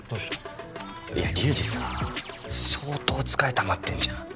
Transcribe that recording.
いや隆治さ相当疲れたまってんじゃん？